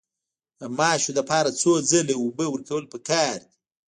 د ماشو لپاره څو ځله اوبه ورکول پکار دي؟